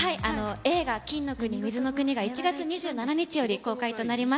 映画、金の国水の国が１月２７日より公開となります。